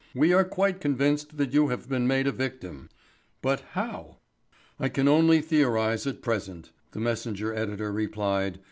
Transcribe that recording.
"We are quite convinced that you have been made a victim. But how?" "I can only theorise at present," the Messenger editor replied.